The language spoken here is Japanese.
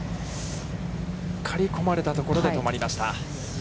刈り込まれたところで止まりました。